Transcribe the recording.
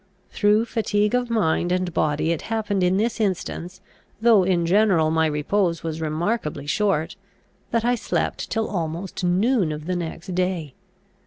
Through fatigue of mind and body, it happened in this instance, though in general my repose was remarkably short, that I slept till almost noon of the next day.